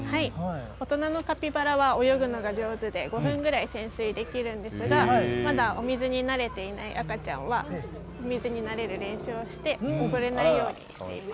大人のカピバラは泳ぐのが上手で、５分ぐらい潜水できるんですが、まだお水に慣れていない赤ちゃんは、お水に慣れる練習をして、溺れないようにしています。